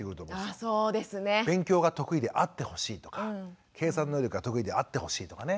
あそうですね。勉強が得意であってほしいとか。計算能力が得意であってほしいとかね